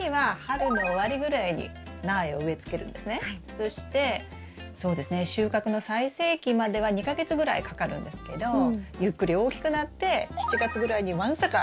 そしてそうですね収穫の最盛期までは２か月ぐらいかかるんですけどゆっくり大きくなって７月ぐらいにわんさかナスがとれるようになります。